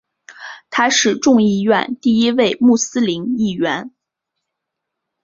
他是众议院第一位穆斯林议员。